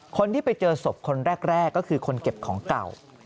คนที่ไปเจอศพคนแรกก็คือคนเก็บของเก่า